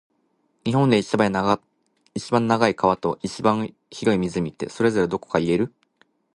日本で一番長い川と、一番広い湖って、それぞれどこか言える？